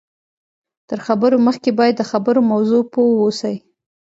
تر خبرو مخکې باید د خبرو په موضوع پوه واوسئ